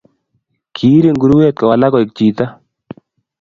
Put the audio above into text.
Kiiri nguruwet kowalak koek chito